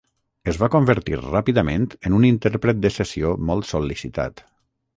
Es va convertir ràpidament en un intèrpret de sessió molt sol·licitat.